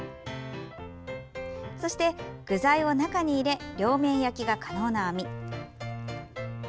そして、具材を中に入れ両面焼きが可能な網。